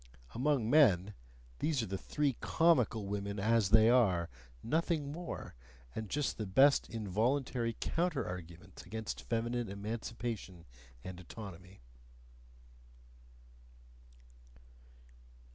Among men, these are the three comical women as they are nothing more! and just the best involuntary counter arguments against feminine emancipation and autonomy.